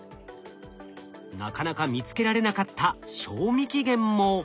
なかなか見つけられなかった賞味期限も。